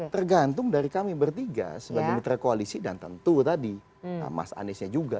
tergantung dari kami bertiga sebagai menteri koalisi dan tentu tadi mas ahi nya juga